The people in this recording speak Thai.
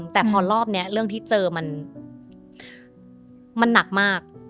แต่พอรอบนี้เรื่องที่เจอมันหนักมาก